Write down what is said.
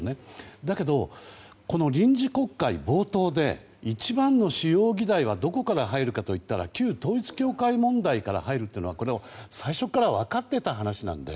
だけど、この臨時国会冒頭で一番の主要議題はどこから入るかといったら旧統一教会問題から入るっていうのは最初から分かっていた話なので。